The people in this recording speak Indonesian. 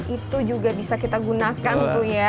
itu juga bisa kita gunakan tuh ya